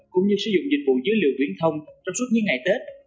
cũng như sử dụng dịch vụ dữ liệu viễn thông trong suốt những ngày tết